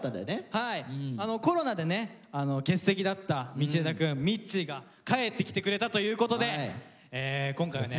はいコロナでね欠席だった道枝くんみっちーが帰ってきてくれたということで今回は。